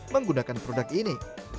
menggunakan produk ini